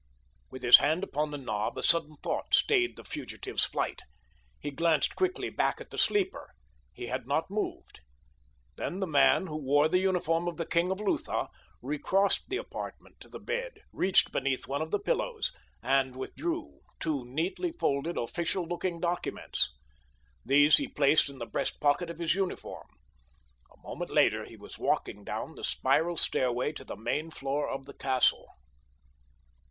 With his hand upon the knob a sudden thought stayed the fugitive's flight. He glanced quickly back at the sleeper—he had not moved. Then the man who wore the uniform of the king of Lutha recrossed the apartment to the bed, reached beneath one of the pillows and withdrew two neatly folded official looking documents. These he placed in the breastpocket of his uniform. A moment later he was walking down the spiral stairway to the main floor of the castle.